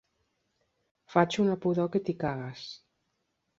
Faig una pudor que t'hi cagues.